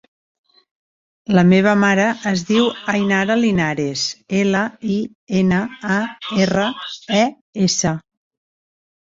La meva mare es diu Ainara Linares: ela, i, ena, a, erra, e, essa.